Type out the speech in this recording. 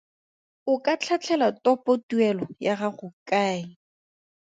O ka tlhatlhela topotuelo ya gago kae?